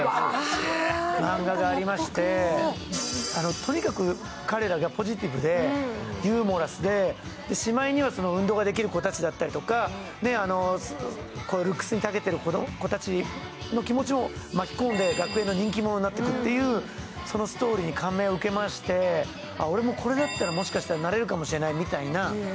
とにかく彼らがポジティブでユーモラスで、しまいには運動ができる子たちだったりとか、ルックスにたけてる子たちを巻き込んで学園の人気者になっていくというそのストーリーに感銘を受けまして俺もこれだったら、もしかしたらなれるかもしれないみたいな。